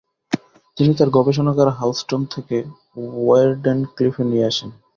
তিনি তার গবেষণাগার হাউজটন থেকে ওয়েরডেন ক্লিফ এ নিয়ে আসেন।